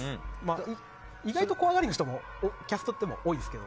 意外と怖がる人キャストでも多いですけど。